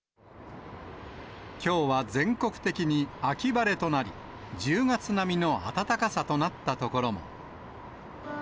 きょうは全国的に秋晴れとなり、１０月並みの暖かさとなった所も。